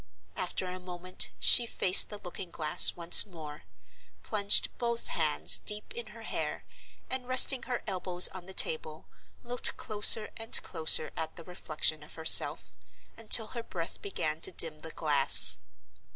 After a moment she faced the looking glass once more; plunged both hands deep in her hair; and, resting her elbows on the table, looked closer and closer at the reflection of herself, until her breath began to dim the glass.